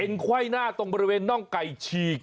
เป็นไขว้หน้าตรงบริเวณน่องไก่ฉีก